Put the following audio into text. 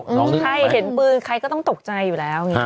ใช่เห็นปืนใครก็ต้องตกใจอยู่แล้ว